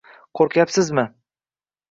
— Qoʻrqmaysizmi?